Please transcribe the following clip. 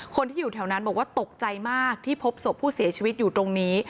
คนที่อยู่แถวนั้นบอกว่าตกใจมากที่พบศพผู้เสียชีวิตอยู่ตรงนี้